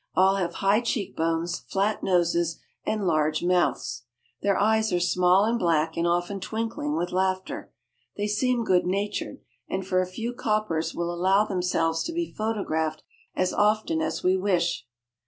All have high cheek bones, flat noses, and large mouths. Their eyes are small and black, and often twinkling with laughter. They seem good natured, and foi a few cop pers will allow themselves to be photographed as often as we wish.